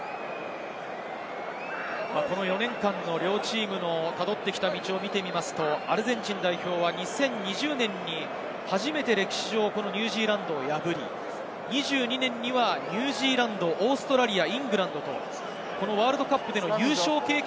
４年間の両チームのたどってきた道を見ると、アルゼンチン代表は２０２０年に初めて歴史上ニュージーランドを破り、２２年にはニュージーランド、オーストラリア、イングランド、ワールドカップでの優勝経験